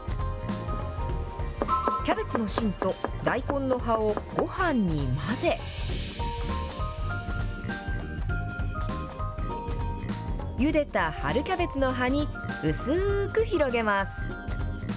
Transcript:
キャベツの芯と大根の葉をごはんに混ぜ、ゆでた春キャベツの葉に薄ーく広げます。